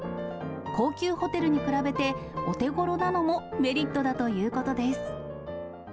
高級ホテルに比べて、お手ごろなのもメリットだということです。